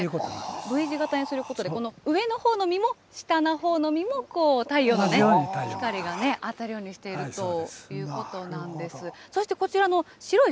Ｖ字型にすることによって、この上のほうの実も、下のほうの実も、太陽の光がね、当たるようにしているということなんです。